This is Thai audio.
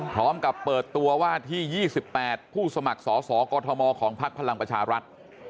พร้อมกับเปิดตัวว่าที่๒๘ผู้สมัครสอสอกอทมของพักพลังประชารัฐ